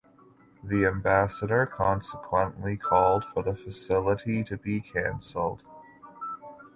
The ambassador consequently called for the facility to be cancelled.